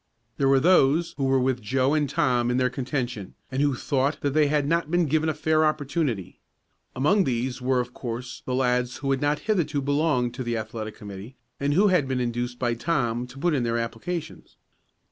There were those who were with Joe and Tom in their contention, and who thought that they had not been given a fair opportunity. Among these were, of course, the lads who had not hitherto belonged to the athletic committee, and who had been induced by Tom to put in their applications.